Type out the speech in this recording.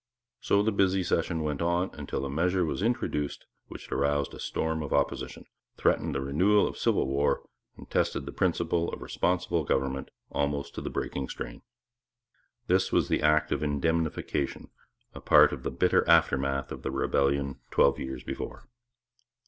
So the busy session went on, until a measure was introduced which aroused a storm of opposition, threatened a renewal of civil war, and tested the principle of responsible government almost to the breaking strain. This was the Act of Indemnification, a part of the bitter aftermath of the rebellion twelve years before.